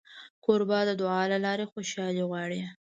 کوربه د دعا له لارې خوشالي غواړي.